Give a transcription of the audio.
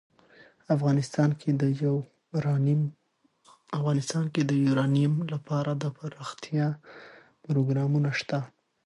افغانستان کې د یورانیم لپاره دپرمختیا پروګرامونه شته.